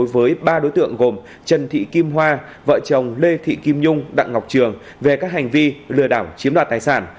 với ba đối tượng gồm trần thị kim hoa vợ chồng lê thị kim nhung đặng ngọc trường về các hành vi lừa đảo chiếm đoạt tài sản